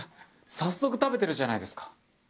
早速食べてるじゃないですか。